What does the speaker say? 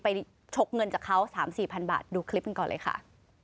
ชกเงินจากเขา๓๔พันบาทดูคลิปกันก่อนเลยค่ะ